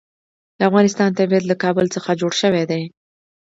د افغانستان طبیعت له کابل څخه جوړ شوی دی.